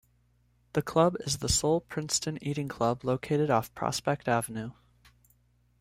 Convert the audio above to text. The club is the sole Princeton eating club located off Prospect Avenue.